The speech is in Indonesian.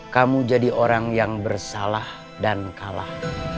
kamu jadi orang yang bersalah dan kalah